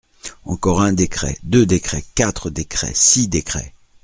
Encore un décret, deux décrets, quatre décrets, six décrets…